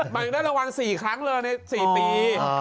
มันได้รางวัล๔ครั้งเลยใน๔ปี